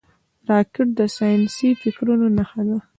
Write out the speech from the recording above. راکټ د ساینسي فکرونو نښه ده